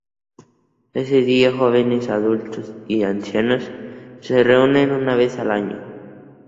Ese dia niños, jóvenes, adultos y ancianos se reúnen una vez al año.